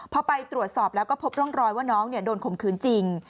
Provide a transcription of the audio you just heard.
พอไปตรวจสอบแล้วก็พบร่องรอยว่าน้องโดนข่มขืนจริง